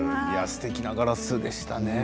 すてきなガラスでしたね。